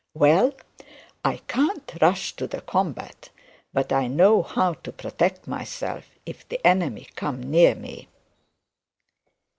Well, I can't rush to the combat, but I know how to protect myself if the enemy come near me.'